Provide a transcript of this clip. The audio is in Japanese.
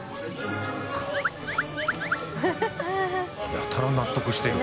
やたら納得してるよ。